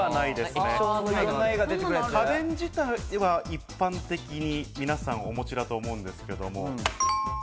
家電自体は一般的に皆さんお持ちだと思うんですけども。